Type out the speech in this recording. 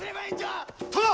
殿！